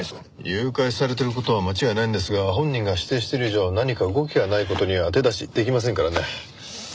誘拐されてる事は間違いないんですが本人が否定している以上何か動きがない事には手出しできませんからね。